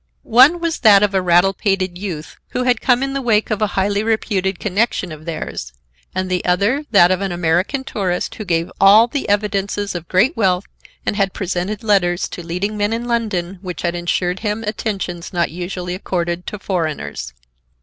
One was that of a rattle pated youth who had come in the wake of a highly reputed connection of theirs, and the other that of an American tourist who gave all the evidences of great wealth and had presented letters to leading men in London which had insured him attentions not usually accorded to foreigners.